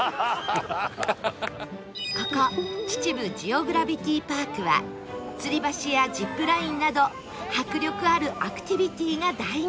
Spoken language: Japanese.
ここ秩父ジオグラビティパークは吊り橋やジップラインなど迫力あるアクティビティが大人気